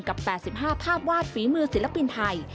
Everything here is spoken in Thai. ๘๕ภาพวาดฝีมือศิลปินไทย